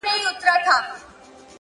• چي ژوندی وي د سړي غوندي به ښوري,